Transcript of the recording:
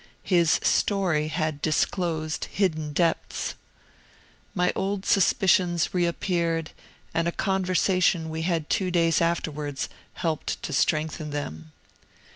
His story had disclosed hidden depths. My old suspicions reappeared, and a conversation we had two days afterwards helped to strengthen them.